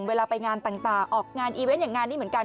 เวลาไปงานต่างออกงานอีเวนต์อย่างงานนี้เหมือนกัน